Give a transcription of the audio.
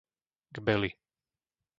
Gbely